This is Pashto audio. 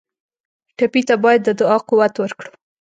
ټپي ته باید د دعا قوت ورکړو.